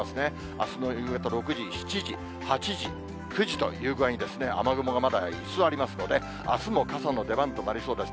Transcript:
あすの夕方６時、７時、８時、９時という具合に、雨雲がまだ居座りますので、あすも傘の出番となりそうです。